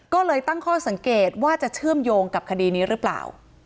ก็เลยตั้งข้อสังเกตว่าจะเชื่อมโยงกับคดีนี้หรือเปล่า